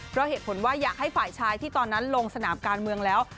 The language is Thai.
เพราะเหตุผลว่าอยากให้ฝ่ายชายที่ตอนนั้นลงสนามการเมืองแล้ว